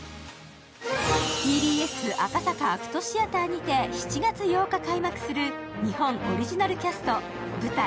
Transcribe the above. ＴＢＳ赤坂アクトシアターにて７月８日開幕する日本オリジナルキャスト舞台